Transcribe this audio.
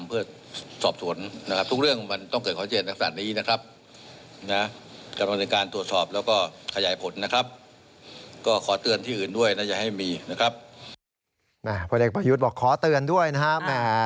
พลเอกประยุทธ์บอกขอเตือนด้วยนะครับ